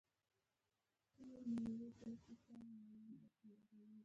د ګلونو ګېدۍ ولېدلې.